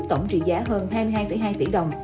tổng trị giá hơn hai mươi hai hai tỷ đồng